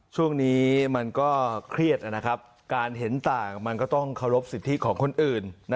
ช่วงนี้มันก็เครียดนะครับการเห็นต่างมันก็ต้องเคารพสิทธิของคนอื่น